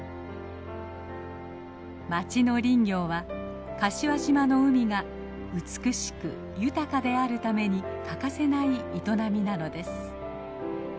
町の林業は柏島の海が美しく豊かであるために欠かせない営みなのです。